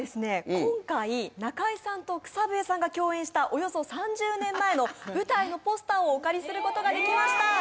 今回中居さんと草笛さんが共演したおよそ３０年前の舞台のポスターをお借りすることができました